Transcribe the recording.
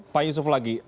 pak yusuf lagi